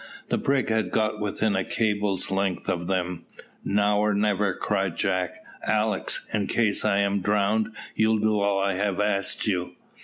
The brig had got within a cable's length of them. "Now or never," cried Jack. "Alick, in case I am drowned, you'll do all I have asked you."